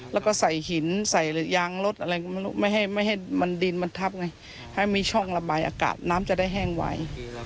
แล้วก็ใส่หินใส่ยางรถอะไรไม่ให้มันดินมันทับไงให้มีช่องระบายอากาศน้ำจะได้แห้งไว้